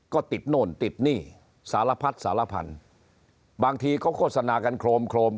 ก็ติดโน่นติดหนี้สารพัดสารพันธุ์บางทีเขาโฆษณากันโครมโครม